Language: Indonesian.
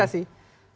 tapi sekarang belum